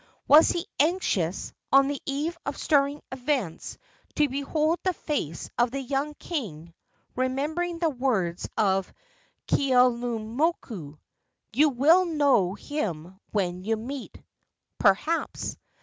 Was he anxious, on the eve of stirring events, to behold the face of the young king, remembering the words of Keaulumoku, "You will know him when you meet"? Perhaps.